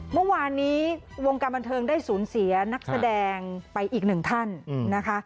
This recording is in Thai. เมื่อวานนี้วงการบันเทิงได้สูญเสียนักแสดงไปอีกหนึ่งท่านนะคะ